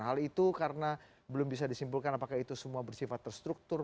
hal itu karena belum bisa disimpulkan apakah itu semua bersifat terstruktur